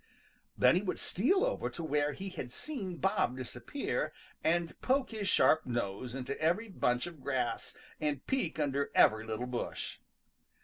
Then he would steal over to where he had seen Bob disappear and poke his sharp nose into every bunch of grass and peek under every little bush.